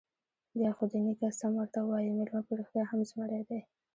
_بيا خو دې نيکه سم ورته وايي، مېلمه په رښتيا هم زمری دی.